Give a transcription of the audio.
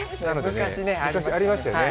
昔ありましたよね。